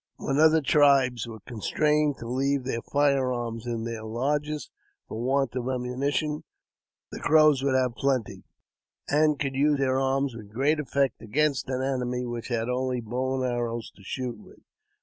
When other tribes were constrained to leave their fire arms in their lodges for want of ammunition, the Crows would have plenty, and could use their arms with great effect against an enemy which had only bow and arrows to shoot with.